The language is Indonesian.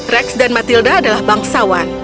rex dan matilda adalah bangsawan